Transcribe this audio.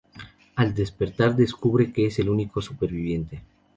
Al despertar descubre que es el único superviviente.